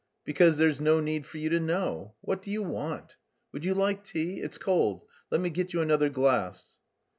because there's no need for you to know. What do you want? Would you like tea? It's cold. Let me get you another glass."